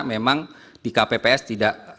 memang di kpps tidak